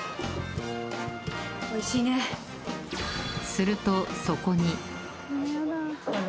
［するとそこに］